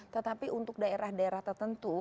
tetapi untuk daerah daerah tertentu